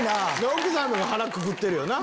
奥さんの方が腹くくってるよな